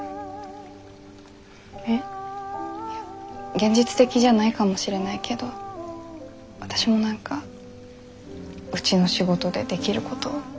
現実的じゃないかもしれないけど私も何かうちの仕事でできること考えてみたい。